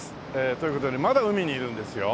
という事でまだ海にいるんですよ。